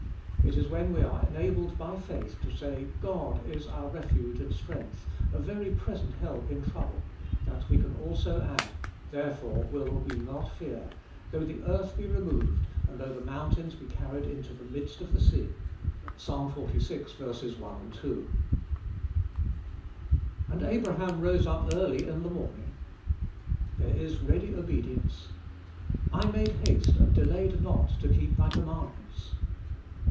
It is when we are enabled by faith, to say "God is our refuge and strength, a very present help in trouble," that we can also add, "therefore will we not fear, though the earth be removed, and though the mountains be carried into the midst of the sea." (Ps. xlvi. 1, 2.) "And Abraham rose up early in the morning." There is ready obedience. "I made haste and delayed not to keep thy commandments."